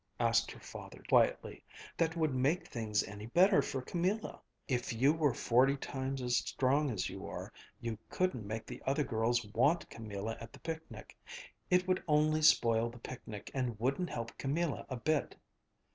asked her father quietly, "that would make things any better for Camilla? If you were forty times as strong as you are, you couldn't make the other girls want Camilla at the picnic. It would only spoil the picnic and wouldn't help Camilla a bit."